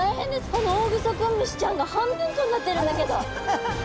このオオグソクムシちゃんが半分こになってるんだけど！